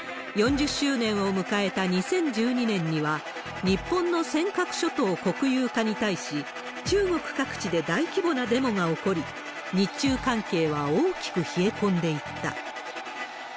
４０周年を迎えた２０１２年には、日本の尖閣諸島国有化に対し、中国各地で大規模なデモが起こり、日中関係は大きく冷え込んでいった。